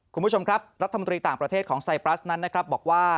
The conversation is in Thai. คุณผู้ชมครับรัฐมนตรีต่างประเทศของไซปรัสนั้นนะครับบอกว่า